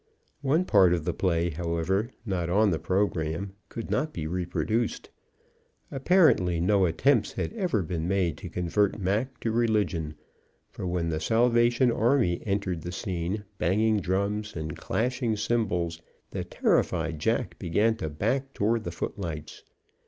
One part of the play, however, not on the program, could not be reproduced. Apparently no attempts had ever been made to convert Mac to religion, for when the Salvation Army entered the scene, banging drums and clashing cymbals, the terrified jack began to back toward the footlights.